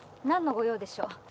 何の御用でしょう？